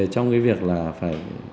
trong cái việc là phải